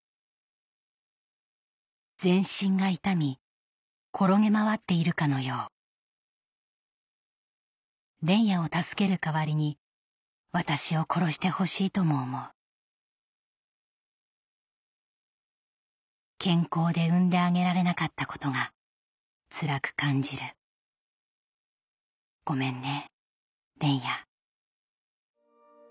「全身が痛みころげまわっているかのよう」「連也を助けるかわりに私を殺してほしいとも思う」「健康で産んであげられなかったことが辛く感じる」「ごめんね連也」